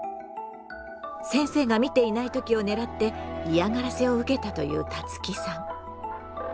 先生が見ていない時を狙って嫌がらせを受けたというタツキさん。